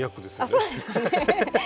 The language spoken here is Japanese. あっそうですね。